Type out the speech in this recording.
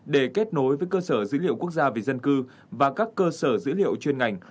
để kết nối với cơ sở dữ liệu quốc gia về dân cư và các cơ sở dữ liệu chuyên ngành